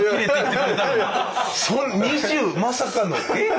２０まさかの。